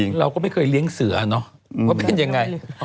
อีกหนึ่ง